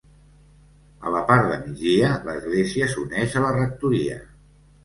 A la part de migdia l'església s'uneix a la rectoria.